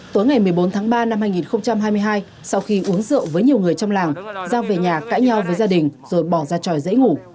tối ngày một mươi bốn tháng ba năm hai nghìn hai mươi hai sau khi uống rượu với nhiều người trong làng giao về nhà cãi nhau với gia đình rồi bỏ ra tròi dãy ngủ